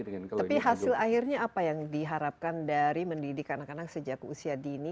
tapi hasil akhirnya apa yang diharapkan dari mendidik anak anak sejak usia dini